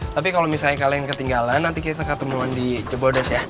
tapi kalau misalnya kalian ketinggalan nanti kita ketemuan di cibodas ya